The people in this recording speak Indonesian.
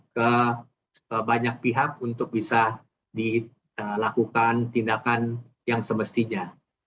dan banyak pihak untuk bisa dilakukan tindakan yang semestinya